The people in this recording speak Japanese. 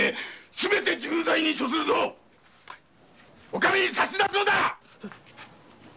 お上に差し出すのだ‼